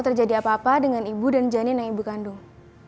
terjadi apa apa dengan ibu dan janin dan ibu kandung